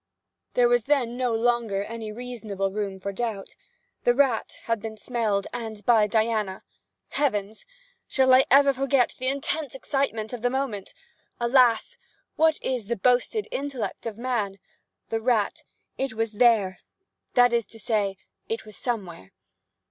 There was then no longer any reasonable room for doubt. The rat had been smelled—and by Diana. Heavens! shall I ever forget the intense excitement of the moment? Alas! what is the boasted intellect of man? The rat!—it was there—that is to say, it was somewhere.